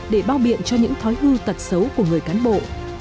để bao biện cho những thói hư tật xấu của người cán bộ